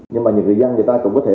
nhưng mà người dân người ta cũng có thể